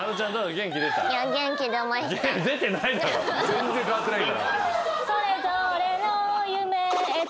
全然変わってない。